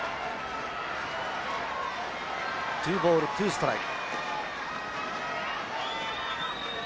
２ボール２ストライク。